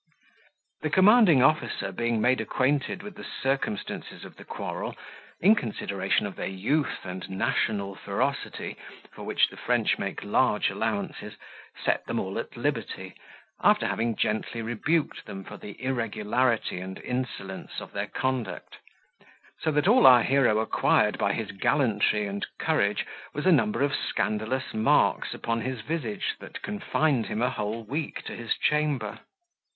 The commanding officer being made acquainted with the circumstances of the quarrel, in consideration of their youth and national ferocity, for which the French make large allowances, set them all at liberty, after having gently rebuked them for the irregularity and insolence of their conduct; so that all our hero acquired by his gallantry and courage, was a number of scandalous marks upon his visage that confined him a whole week to his chamber.